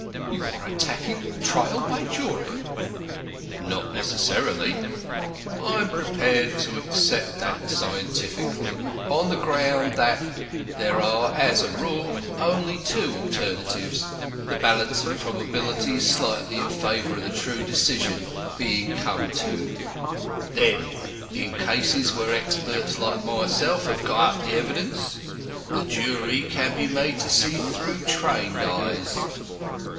"You are attacking trial by jury." "Not necessarily. I am prepared to accept that scientifically, on the ground that, as there are, as a rule, only two alternatives, the balance of probability is slightly in favour of the true decision being come to. Then, in cases where experts like myself have got up the evidence, the jury can be made to see through trained eyes."